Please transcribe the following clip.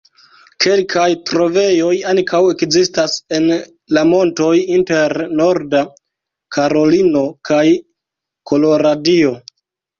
Kelkaj trovejoj ankaŭ ekzistas en la montoj inter Norda Karolino kaj Koloradio.